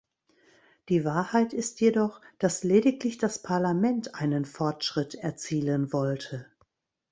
Die Wahrheit ist jedoch, dass lediglich das Parlament einen Fortschritt erzielen wollte.